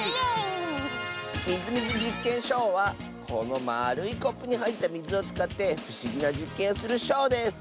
「みずみずじっけんショウ」はこのまあるいコップにはいったみずをつかってふしぎなじっけんをするショウです！